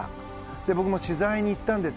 僕も取材に行ったんです。